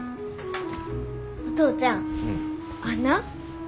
お父ちゃんあんな。